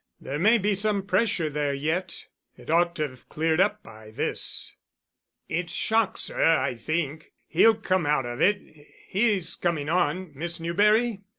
There may be some pressure there yet. It ought to have cleared up by this." "It's shock, sir, I think. He'll come out of it. He's coming on, Miss Newberry?"